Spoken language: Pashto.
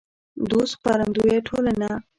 دوست خپرندویه ټولنه